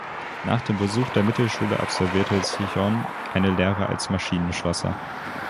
Nach dem Besuch der Mittelschule absolvierte Czichon eine Lehre als Maschinenschlosser.